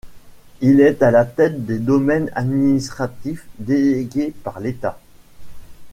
Il est à la tête des domaines administratifs délégués par l’État.